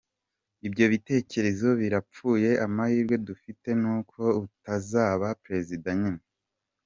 Ibyo bitekerezo birapfuye amahirwe dufite nuko utazaba prezida nyine.